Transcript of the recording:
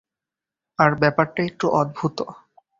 আর ব্যাপারটা একটু অদ্ভুতও।